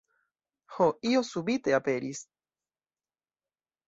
Ho, io subite aperis!